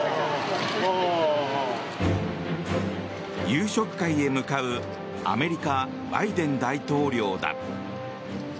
夕食会へ向かうアメリカ、バイデン大統領だ。